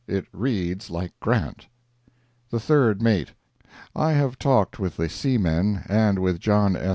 It reads like Grant. THE THIRD MATE I have talked with the seamen and with John S.